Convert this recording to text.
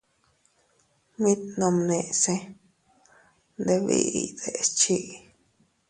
Mit nomnese iyndebiʼiy deʼes chii.